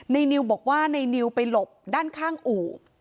นิวบอกว่าในนิวไปหลบด้านข้างอู่